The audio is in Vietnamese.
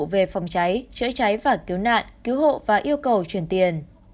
về phòng cháy chữa cháy và cứu nạn cứu hộ và yêu cầu truyền tiền